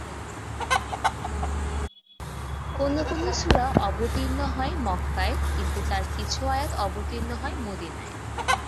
কোনো কোনো সূরা অবতীর্ণ হয় মক্কায়, কিন্তু তার কিছু আয়াত অবতীর্ণ হয় মদিনায়।